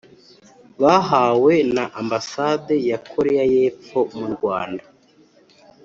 bahawe na Ambasade ya Koreya y’Epfo mu Rwanda